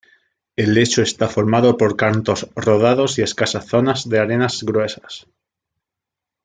El lecho está formado por cantos rodados y escasas zonas de arenas gruesas.